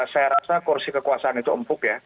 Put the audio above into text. saya rasa kursi kekuasaan itu empuk ya